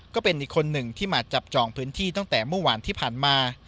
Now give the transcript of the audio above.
ก็เป็นอีกคนหนึ่งที่มาจับจองพื้นที่ตั้งแต่เมื่อวานที่ผ่านมา